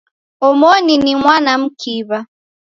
Omoni ni mwana mkiw'a.